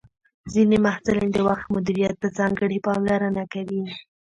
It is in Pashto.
ځینې محصلین د وخت مدیریت ته ځانګړې پاملرنه کوي.